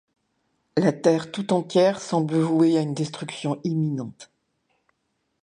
La Terre tout entière semble vouée à une destruction imminente.